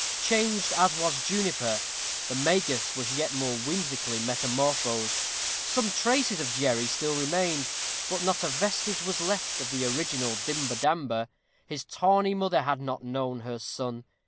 Changed as was Juniper, the Magus was yet more whimsically metamorphosed. Some traces of Jerry still remained, but not a vestige was left of the original Dimber Damber. His tawny mother had not known her son.